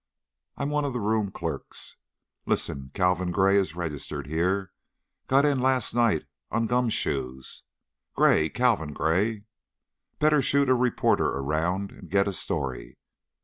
I'm one of the room clerks. Listen! Calvin Gray is registered here got in last night, on gum shoes.... Gray! Calvin Gray! Better shoot a reporter around and get a story....